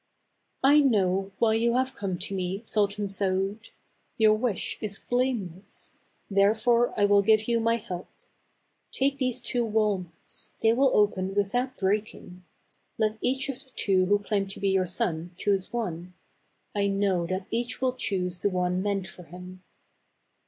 "I know why you have come to me, Sultan Saaud. Your wish is blameless ; therefore I will give you my help. Take these two wal nuts ; they will open without breaking. Let each of the two who claim to be your son choose one. I know that each will choose the one meant for him."